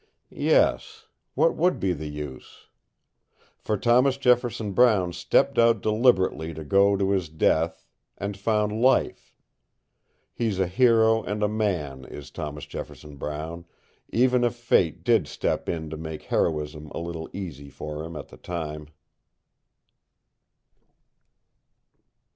Yes, what would be the use? For Thomas Jefferson Brown stepped out deliberately to go to his death, and found life. He's a hero and a man, is Thomas Jefferson Brown, even if fate did step in to make heroism a little easy for him at the time!